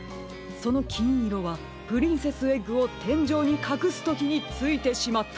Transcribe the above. そのきんいろはプリンセスエッグをてんじょうにかくすときについてしまったのでは。